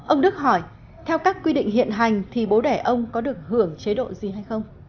ông đức hỏi theo các quy định hiện hành thì bố đẻ ông có được hưởng chế độ gì hay không